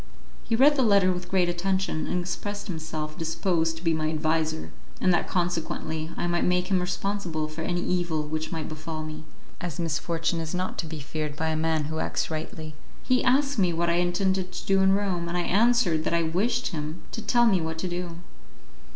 He read the letter with great attention, and expressed himself disposed to be my adviser; and that consequently I might make him responsible for any evil which might befall me, as misfortune is not to be feared by a man who acts rightly. He asked me what I intended to do in Rome, and I answered that I wished him to tell me what to do.